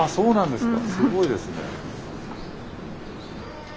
すごいですね。